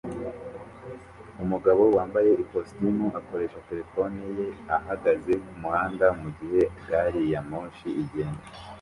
Umugabo wambaye ikositimu akoresha terefone ye ahagaze kumuhanda mugihe gari ya moshi igenda